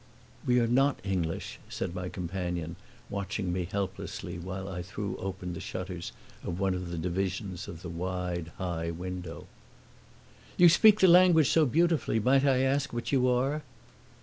"We are not English," said my companion, watching me helplessly while I threw open the shutters of one of the divisions of the wide high window. "You speak the language so beautifully: might I ask what you are?"